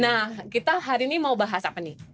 nah kita hari ini mau bahas apa nih